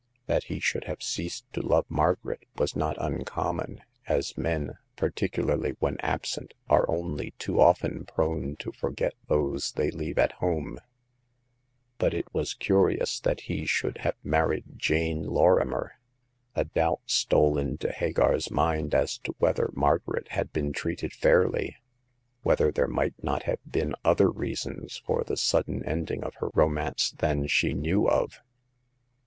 That he should have ceased to love Margaret was not uncommon, as men, par ticularly when absent, are only too often prone to forget those they leave at home ; but it was curi ous that he should have married Jane Lorrimer. A doubt stole into Hagar's mind as to whether Margaret had been treated fairly ; whether there might not have been other reasons for the sud den ending of her romance than she knew of.